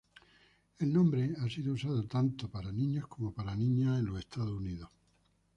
El nombre ha sido usado tanto para niños como para niñas en Estados Unidos.